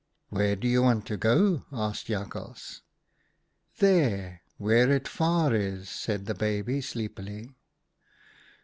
" 'Where do you want to go?' asked Jak hals. "' There, where it far is,' said the baby, sleepily.